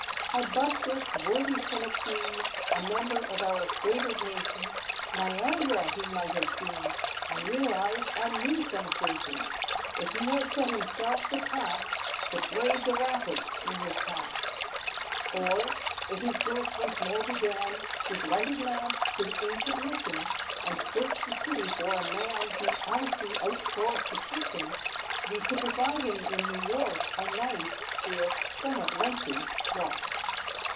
Had but this worthy cynic been A member of our favoured nation, Niagara he might have seen, And realised a new sensation, If he had set himself the task To brave the Rapids in his cask. Or if his ghost once more began, With lighted lamp, his ancient mission, And searched the city for a man Whose honesty outsoared suspicion, We could provide him, in New York, A nice (if somewhat lengthy) walk.